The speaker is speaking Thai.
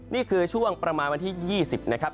นี่คือช่วงประมาณวันที่๒๐นะครับ